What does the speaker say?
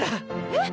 えっ？